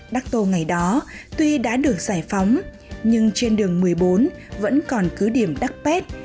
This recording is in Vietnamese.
đắc tô ngày đó tuy đã được giải phóng nhưng trên đường một mươi bốn vẫn còn cứ điểm đất